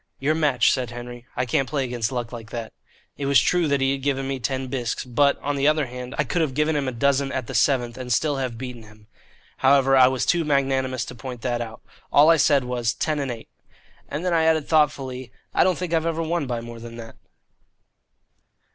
"Your match," said Henry; "I can't play against luck like that." It was true that he had given me ten bisques, but, on the other hand, I could have given him a dozen at the seventh and still have beaten him. However, I was too magnanimous to point that out. All I said was, "Ten and eight." And then I added thoughtfully, "I don't think I've ever won by more than that."